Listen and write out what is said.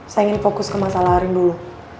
saya ingin fokus ke masalah lain dulu